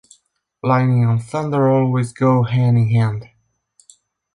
Lightning and thunder always go hand in hand.